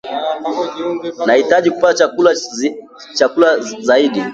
Ninahitaji kupata chakula zaidi.